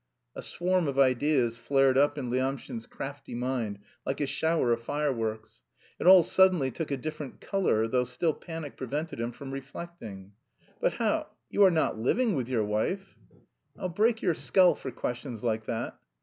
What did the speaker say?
A swarm of ideas flared up in Lyamshin's crafty mind like a shower of fireworks. It all suddenly took a different colour, though still panic prevented him from reflecting. "But how... you are not living with your wife?" "I'll break your skull for questions like that."